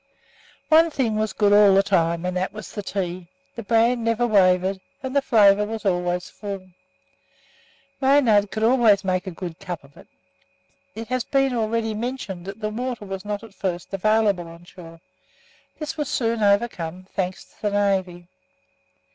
One thing was good all the time, and that was the tea. The brand never wavered, and the flavour was always full. Maynard could always make a good cup of it. It has been already mentioned that water was not at first available on shore. This was soon overcome, thanks to the Navy.